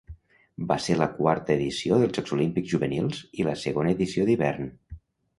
Van ser la quarta edició dels Jocs Olímpics Juvenils i la segona edició d'hivern.